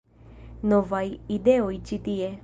- Novaj ideoj ĉi tie